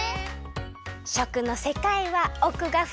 しょくのせかいはおくがふかい。